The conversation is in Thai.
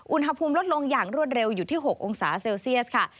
อุณหภูมิลดลงอย่างรวดเร็วอยู่ที่๖องศาเซลเซียสค่ะ